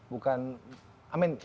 bukan i mean